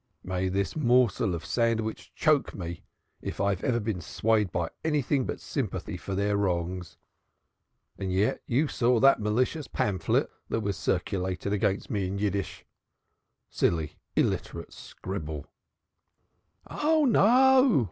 May this morsel of sandwich choke me if I have ever been swayed by anything but sympathy with their wrongs. And yet you saw that malicious pamphlet that was circulated against me in Yiddish silly, illiterate scribble." "Oh, no!"